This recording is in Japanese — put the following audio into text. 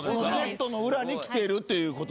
セットの裏に来てるっていうことですから。